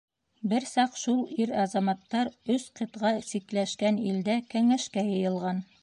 Бер саҡ шул ир-азаматтар өс ҡитға сикләшкән илдә кәңәшкә йыйылған.